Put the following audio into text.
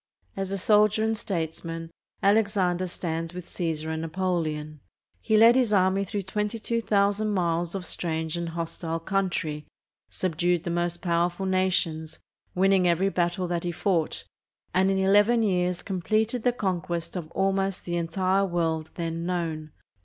As a soldier and statesman, Alexander stands with Csesar and Napoleon. He led his army through 22,000 miles of strange and hostile country, subdued the most powerful nations, winning every battle that he fought, and in eleven years completed the conquest of almost the entire world then known.